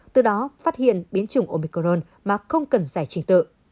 từ đó phát hiện biến chủng omicron mà không cần giải trình tự